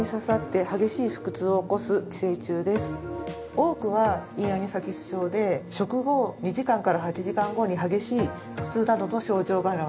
多くは胃アニサキス症で食後２時間から８時間後に激しい腹痛などの症状が表れます。